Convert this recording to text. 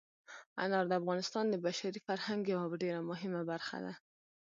انار د افغانستان د بشري فرهنګ یوه ډېره مهمه برخه ده.